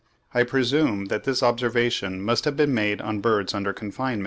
I presume that this observation must have been made on birds under confinement.